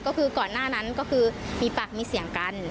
ก็คือก่อนหน้านั้นก็คือมีปากมีเสียงกัน